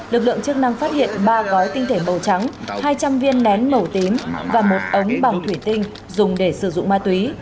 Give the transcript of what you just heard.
lực lượng chức năng phát hiện ba gói tinh thể màu trắng hai trăm linh viên nén màu tím và một ống bằng thủy tinh dùng để sử dụng ma túy